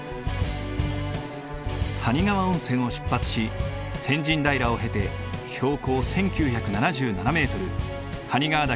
谷川温泉を出発し天神平を経て標高１，９７７メートル谷川岳